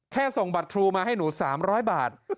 ส่งบัตรครูมาให้หนู๓๐๐บาท